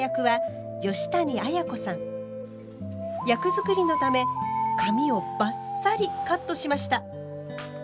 役作りのため髪をバッサリカットしました！